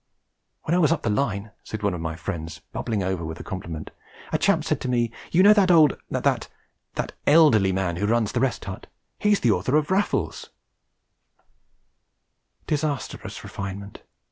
'When I was up the Line,' said one of my friends, bubbling over with a compliment, 'a chap said to me, "You know that old that that elderly man who runs the Rest Hut? He's the author of Raffles!"' Disastrous refinement!